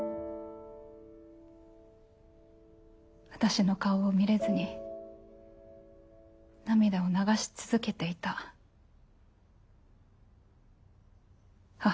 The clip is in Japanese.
私の顔を見れずに涙を流し続けていた母の顔。